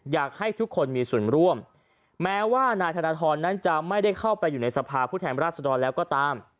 อยากให้ทุกคนมีส่วนร่วมแม้ว่านายธนทรนั้นจะไม่ได้เข้าไปอยู่ในสภาพผู้แทนราชดรแล้วก็ตาม